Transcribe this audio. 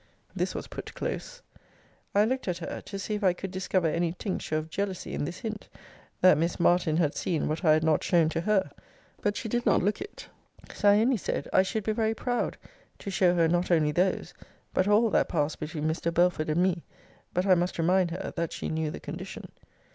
This was put close. I looked at her, to see if I could discover any tincture of jealousy in this hint; that Miss Martin had seen what I had not shown to her. But she did not look it: so I only said, I should be very proud to show her not only those, but all that passed between Mr. Belford and me; but I must remind her, that she knew the condition.